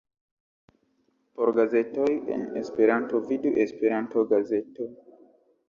Por gazetoj en Esperanto, vidu Esperanto-gazeto.